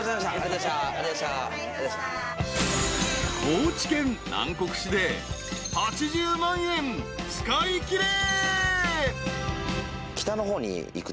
［高知県南国市で８０万円使いきれ］